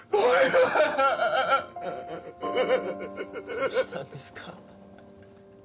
どうしたんですか？